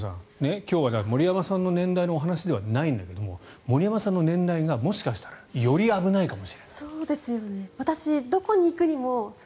今日は森山さんの年代のお話ではないんだけど森山さんの年代がもしかしたらより危ないかもしれない。